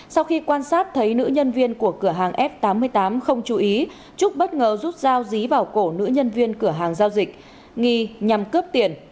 sau khi quan sát thấy nữ nhân viên của cửa hàng f tám mươi tám không chú ý trúc bất ngờ rút dao dí vào cổ nữ nhân viên cửa hàng giao dịch nghi nhằm cướp tiền